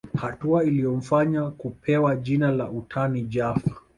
Hatua iliyomfanya kupewa jina la utani Jaffa